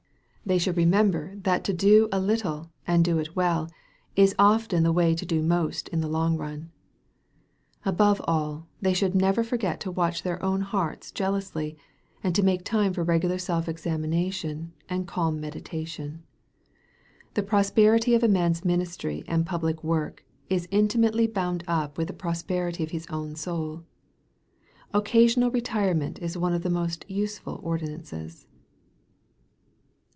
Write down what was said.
They should remember that to do a MARK, CHAP. VI. 125 little, and do it well, is often the way to do most in the long run. Above all they should never forget to watch their own hearts jealously, and to make time for regular self examination, and calm meditation. The prosperity of a man's ministry and public work is intimately bound up with the prosperity of his own soul. Occasional re tirement is one of the most useful ordinances.